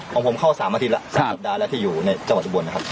ของผมเข้าสามอาทิตย์แล้วครับสักสัปดาห์แล้วที่อยู่ในเจ้าบัตรบนนะครับ